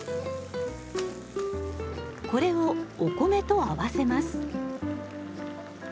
これをお米と合わせます。